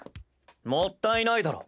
もったいないだろ。